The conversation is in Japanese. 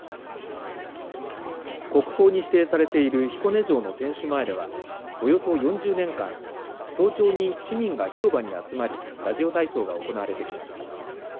国宝に指定されている彦根城の天守前ではおよそ４０年間早朝に市民が広場に集まりラジオ体操が行われてきました。